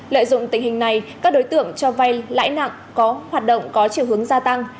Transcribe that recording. lợi dụng tình hình này các đối tượng cho vay lãi nặng có hoạt động có chiều hướng gia tăng